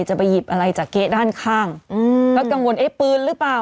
จะไปหยิบอะไรจากเก๊ะด้านข้างอืมก็กังวลเอ๊ะปืนหรือเปล่า